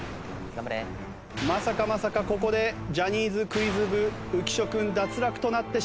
まさかまさかここでジャニーズクイズ部浮所君脱落となってしまうのか！？